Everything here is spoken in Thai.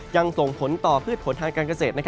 ยังส่งผลต่อพืชผลทางการเกษตร